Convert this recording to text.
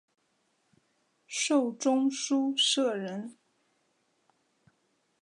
授中书舍人。